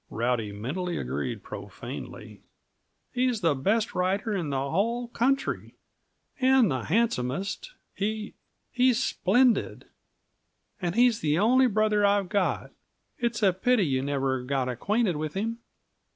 (Rowdy mentally agreed profanely.) "He's the best rider in the whole country and the handsomest. He he's splendid! And he's the only brother I've got. It's a pity you never got acquainted with him."